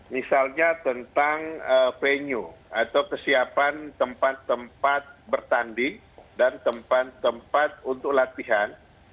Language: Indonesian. misalnya tentang venue atau kesiapan tempat tempat bertanding dan tempat tempat untuk latihan